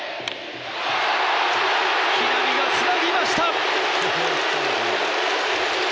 木浪がつなぎました。